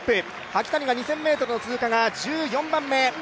萩谷が２０００ｍの通過が１４番目。